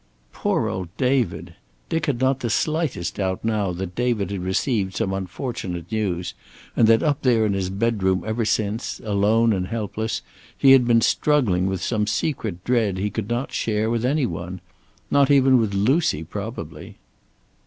Poor old David! Dick had not the slightest doubt now that David had received some unfortunate news, and that up there in his bedroom ever since, alone and helpless, he had been struggling with some secret dread he could not share with any one. Not even with Lucy, probably.